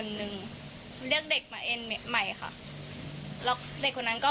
เห็นค่ะแต่ว่าเป็นส่วนน้อยค่ะ